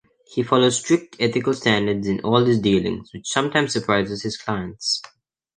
He follows strict ethical standards in all his dealings, which sometimes surprises his clients.